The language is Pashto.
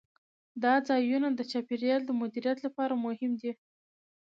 دا ځایونه د چاپیریال د مدیریت لپاره مهم دي.